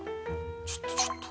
ちょっとちょっと。